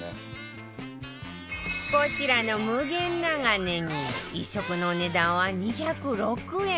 こちらの無限長ねぎ１食のお値段は２０６円